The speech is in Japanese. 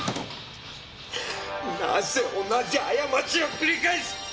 なぜ同じ過ちを繰り返す！